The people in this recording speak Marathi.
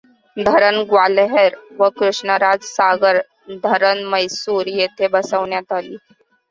धरण ग्वाल्हेर व कृष्णराज सागर धरण म्हैसूर येथे बसविण्यात आली.